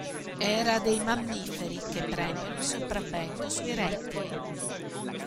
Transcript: Era dei mammiferi, che prendono il sopravvento sui rettili.